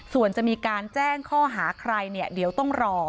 ส่วนจะมีการแจ้งข้อหาใครเนี่ยเดี๋ยวต้องรอ